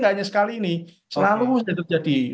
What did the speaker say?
tidak hanya sekali ini selalu sudah terjadi